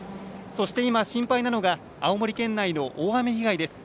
そして今、心配なのが青森県内の大雨被害です。